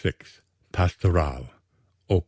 6, "PASTORAL": Op.